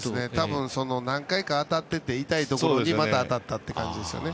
何回か当たっていて痛いところにまた当たった感じですね。